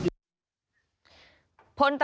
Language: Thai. คุณระพินฮะคุณระพินฮะคุณระพินฮะ